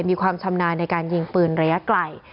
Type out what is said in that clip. มีความชำนาญในการยิงปืนระยะไกล